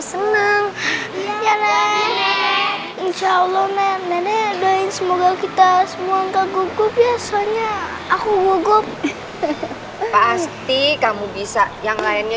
senang insyaallah semoga kita semoga gugup biasanya aku gugup pasti kamu bisa yang lainnya